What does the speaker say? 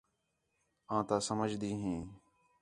آں تَا سمجھدی ہیں